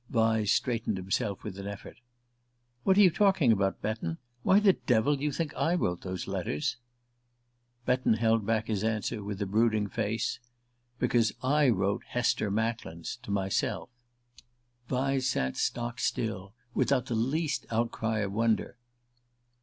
Vyse straightened himself with an effort. "What are you talking about, Betton? Why the devil do you think I wrote those letters?" Betton held back his answer, with a brooding face. "Because I wrote 'Hester Macklin's' to myself!" Vyse sat stock still, without the least outcry of wonder.